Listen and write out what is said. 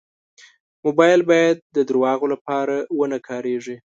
موبایل باید د دروغو لپاره و نه کارېږي.